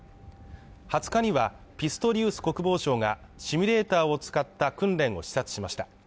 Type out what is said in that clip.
２０日には、ピストリウス国防相がシミュレーターを使った訓練を視察しました。